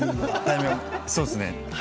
そうですね。